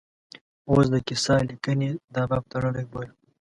اوس د کیسه لیکنې دا باب تړلی بویه.